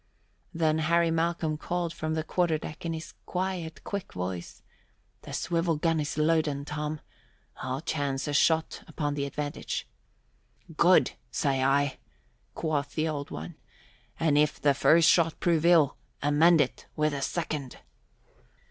Then Harry Malcolm called from the quarter deck in his quiet, quick voice, "The swivel gun is loaden, Tom. I'll chance a shot upon the advantage." "Good, say I!" quoth the Old One. "And if the first shot prove ill, amend it with a second."